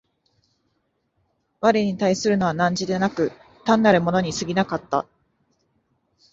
我に対するのは汝でなく、単なる物に過ぎなかった。